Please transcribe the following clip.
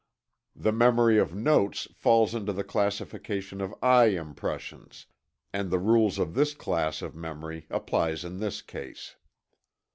The memory of notes falls into the classification of eye impressions, and the rules of this class of memory applies in this case.